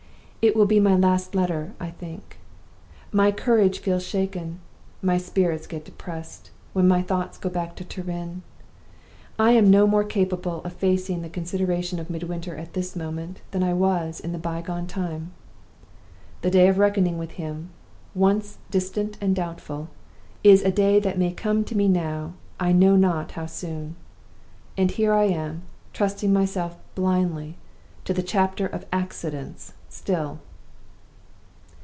It will be my last letter, I think. My courage feels shaken, my spirits get depressed, when my thoughts go back to Turin. I am no more capable of facing the consideration of Midwinter at this moment than I was in the by gone time, The day of reckoning with him, once distant and doubtful, is a day that may come to me now, I know not how soon. And here I am, trusting myself blindly to the chapter of Accidents still!"